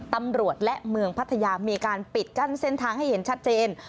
ตำรวจและเมืองพัทยามีการปิดกั้นเส้นทางให้เห็นชัดเจน